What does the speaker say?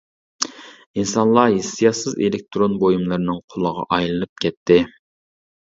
ئىنسانلار ھېسسىياتسىز ئېلېكتىرون بۇيۇملىرىنىڭ قۇلىغا ئايلىنىپ كەتتى.